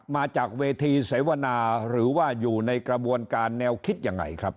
มาจากเวทีเสวนาหรือว่าอยู่ในกระบวนการแนวคิดยังไงครับ